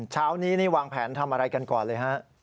เช้านี้นี่วางแผนทำอะไรกันก่อนเลยฮะ